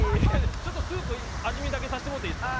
ちょっとスープ味見だけさせてもうていいですか？